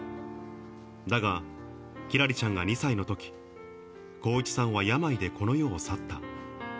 だが輝星ちゃんが２歳のとき、浩一さんは病でこの世を去った。